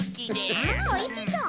ああおいしそう。